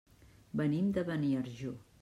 Venim de Beniarjó.